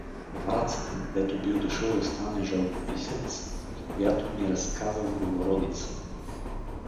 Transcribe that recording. Враца, дето бил дошъл да стане жалбописец, и която ми разказа в Богородица.